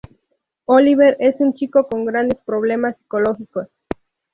Oliver es un chico con grandes problemas psicológicos.